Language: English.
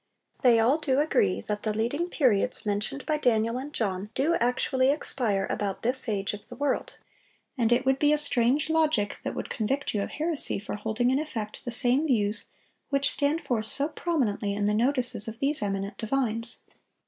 They all agree that the leading periods mentioned by Daniel and John do actually expire about this age of the world, and it would be a strange logic that would convict you of heresy for holding in effect the same views which stand forth so prominently in the notices of these eminent divines."